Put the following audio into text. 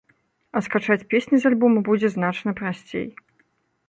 А скачаць песні з альбома будзе значна прасцей.